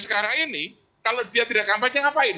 sekarang ini kalau dia tidak kampanye ngapain